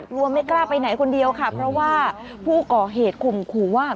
กลัวไม่กล้าไปไหนคนเดียวค่ะเพราะว่าผู้ก่อเหตุข่มขู่ว่า